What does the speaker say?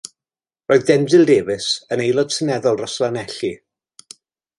Roedd Denzil Davies yn aelod seneddol dros Lanelli.